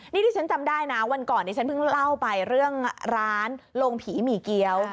นี่ที่ฉันจำได้นะวันก่อนดิฉันเพิ่งเล่าไปเรื่องร้านลงผีหมี่เกี้ยว